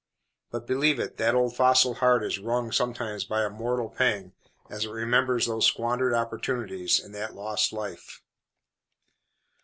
But, believe it, that old fossil heart is wrung sometimes by a mortal pang, as it remembers those squandered opportunities and that lost life.